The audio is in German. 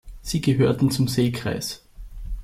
Sie gehörten zum Seekreis.